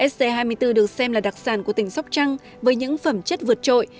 sc hai mươi bốn được xem là đặc sản của tỉnh sóc trăng với những phẩm chất vượt trội